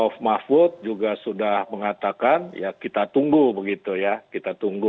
karena untuk menggugat ya prof mahfud juga sudah mengatakan ya kita tunggu begitu ya kita tunggu